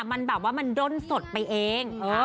มันแบบว่ามันด้นสดไปเอง